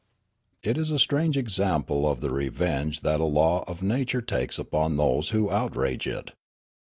" It is a strange example of the revenge that a law of nature takes upon those who outrage it.